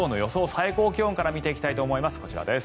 最高気温から見ていきたいと思います。